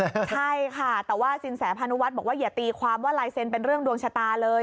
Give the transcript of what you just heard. ใช่ค่ะแต่ว่าสินแสพานุวัฒน์บอกว่าอย่าตีความว่าลายเซ็นเป็นเรื่องดวงชะตาเลย